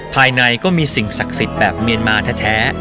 ภายในก็มีสิ่งศักดิ์สิทธิ์แบบเมียนมาแท้